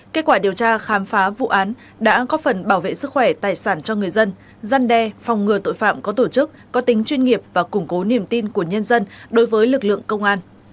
kết quả điều tra khám phá vụ án đã có phần bảo vệ sức khỏe tài sản cho người dân gian đe phòng ngừa tội phạm có tổ chức có tính chuyên nghiệp và củng cố niềm tin của nhân dân đối với lực lượng công an